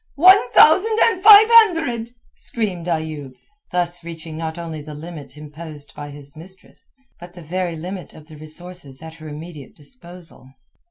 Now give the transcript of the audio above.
"One thousand and five hundred," screamed Ayoub, thus reaching not only the limit imposed by his mistress, but the very limit of the resources at her immediate disposal.